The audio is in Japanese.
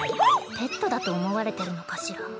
ペットだと思われてるのかしら。